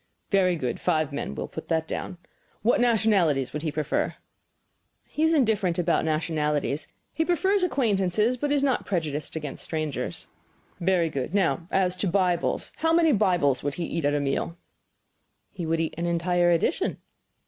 "Very good; five men; we will put that down. What nationalities would he prefer?" "He is indifferent about nationalities. He prefers acquaintances, but is not prejudiced against strangers." "Very good. Now, as to Bibles. How many Bibles would he eat at a meal?" "He would eat an entire edition."